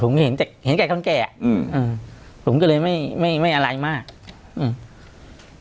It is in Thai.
ผมเห็นเห็นใจเขาแก่อืมอืมผมก็เลยไม่ไม่ไม่อะไรมากอืม